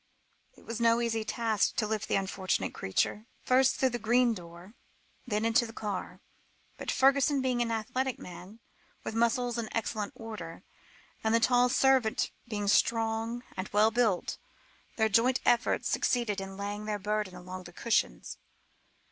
It was no easy task to lift the unfortunate creature, first through the green door, and then into the car, but Fergusson being an athletic man, with muscles in excellent order, and the tall servant being strong and well built, their joint efforts succeeded in laying their burden along the cushions.